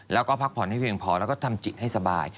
แล้วก็พักผ่อนให้เพียงพอแล้วก็ทำจิตให้สบาย